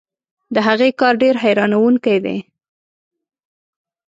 د هغې کار ډېر حیرانوونکی دی.